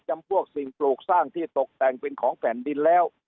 จำพวกสิ่งปลูกสร้างที่ตกแต่งเป็นของแผ่นดินแล้ว